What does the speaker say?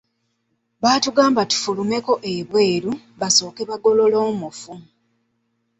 Batugamba tufulumeko ebweru basooke bagolole omufu.